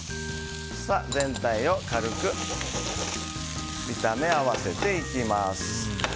全体を軽く炒め合わせていきます。